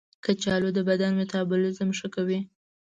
کچالو د بدن میتابولیزم ښه کوي.